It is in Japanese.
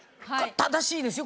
正しいですよ。